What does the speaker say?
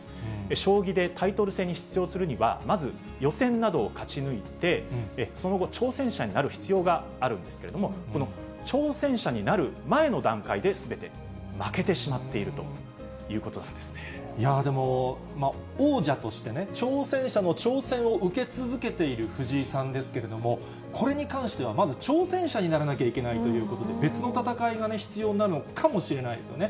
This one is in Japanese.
将棋でタイトル戦に出場するには、まず予選などを勝ち抜いて、その後、挑戦者になる必要があるんですけれども、この挑戦者になる前の段階ですべて負けてしまっているということいやー、でも、王者としてね、挑戦者の挑戦を受け続けている藤井さんですけれども、これに関しては、まず挑戦者にならなきゃいけないということで、別の戦いがね、必要なのかもしれないですよね。